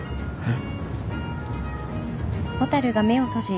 えっ？